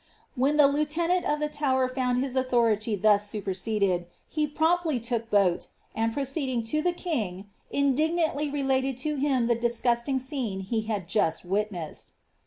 When the lieutenant of the Tower fouud his authority thus superseded, he promptly took boat, and, proceeding to the king, indignantly related to him the disgusting scene he had jusi witnessed.